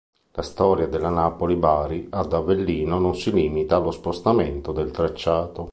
La storia della Napoli-Bari ad Avellino non si limita allo spostamento del tracciato.